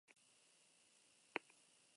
Garajean zeuden bi autori eragin die suak.